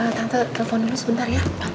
nanti telepon dulu sebentar ya